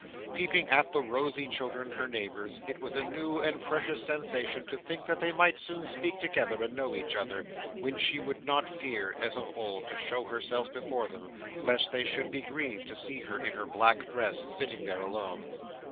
Peeping at the rosy children her neighbours, it was a new and precious sensation to think that they might soon speak together and know each other; when she would not fear, as of old, to show herself before them, lest they should be grieved to see her in her black dress sitting there alone!